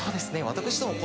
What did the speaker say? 私ども。